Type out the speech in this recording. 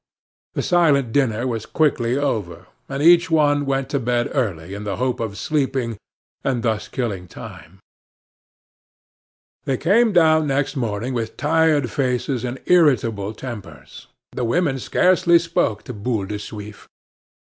The silent dinner was quickly over, and each one went to bed early in the hope of sleeping, and thus killing time. They came down next morning with tired faces and irritable tempers; the women scarcely spoke to Boule de Suif.